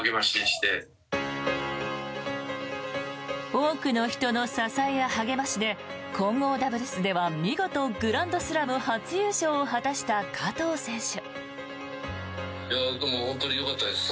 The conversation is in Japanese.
多くの人の支えや励ましで混合ダブルスでは見事、グランドスラム初優勝を果たした加藤選手。